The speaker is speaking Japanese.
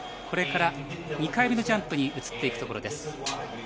これから２回目がジャンプに移っていくところです。